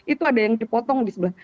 itu ada yang dipotong di sebelah